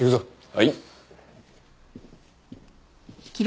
はい。